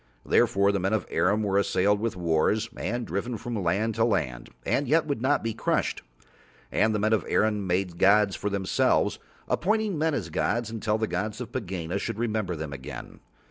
Therefore the men of Arim were assailed with wars and driven from land to land and yet would not be crushed. And the men of Arim made them gods for themselves, appointing men as gods until the gods of Pegāna should remember them again.